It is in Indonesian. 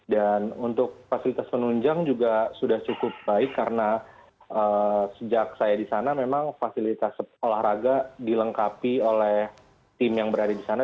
dan untuk fasilitas penunjang juga sudah cukup baik karena sejak saya di sana memang fasilitas olahraga dilengkapi oleh tim yang berada di sana